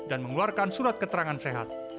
dan mengeluarkan surat keterangan sehat